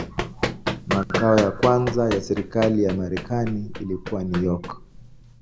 Makao ya kwanza ya serikali ya Marekani ilikuwa New York.